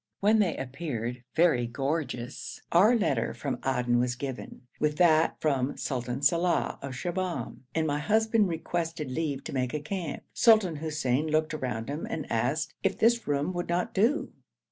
When they appeared, very gorgeous, our letter from Aden was given, with that from Sultan Salàh of Shibahm, and my husband requested leave to make a camp. Sultan Hussein looked round him and asked if this room would not do?